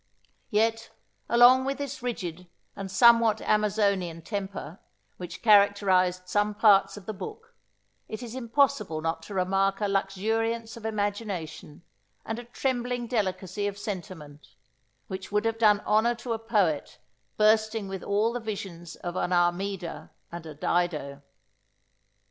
Yet, along with this rigid, and somewhat amazonian temper, which characterised some parts of the book, it is impossible not to remark a luxuriance of imagination, and a trembling delicacy of sentiment, which would have done honour to a poet, bursting with all the visions of an Armida and a Dido.